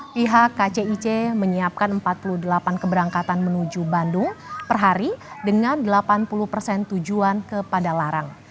pihak kcic menyiapkan empat puluh delapan keberangkatan menuju bandung per hari dengan delapan puluh persen tujuan kepada larang